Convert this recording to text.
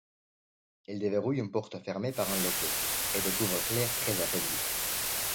Elle déverrouille une porte fermée par un loquet et découvre Claire très affaiblie.